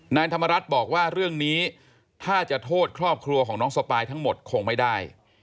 นายธรรมรัฐบอกว่าเรื่องนี้ถ้าจะโทษครอบครัวของน้องสปายทั้งหมดคงไม่ได้